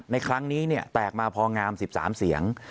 ในครั้งนี้แตกมาพองาม๑๓เสียง